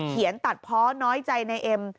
เขียนตัดเพาะน้อยใจในเอ็ม